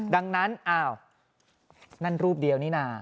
ดังนั้นอ้าวนั่นรูปเดียวนี่นะ